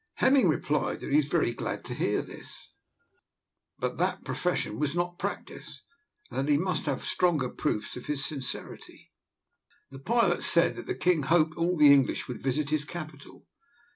Hemming replied that he was very glad to hear this, but that profession was not practice, and that he must have stronger proofs of his sincerity. The pilot said the king hoped all the English would visit his capital.